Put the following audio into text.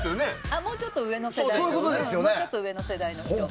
もうちょっと上の世代の方ですね。